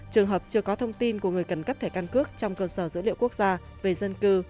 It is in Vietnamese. trường hợp chưa có thông tin của người cần cấp thẻ căn cước trong cơ sở dữ liệu quốc gia về dân cư